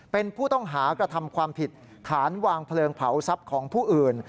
เป็นผู้ต้องหากระทำความผิดฐานวางเพลิงเผาทรัพย์ของผู้อื่น